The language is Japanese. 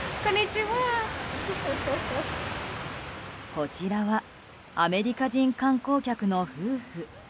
こちらはアメリカ人観光客の夫婦。